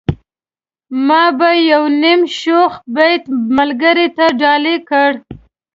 ما به يو نيم شوخ بيت ملګرو ته ډالۍ کړ.